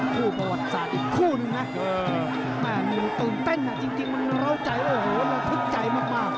คู่ประวัติศาสตร์อีกคู่นึงนะแม่มันตื่นเต้นจริงมันเล้าใจโอ้โหระทึกใจมาก